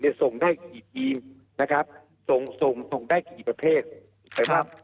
เนี้ยส่งได้กี่ทีนะครับส่งส่งส่งได้กี่ประเภทครับ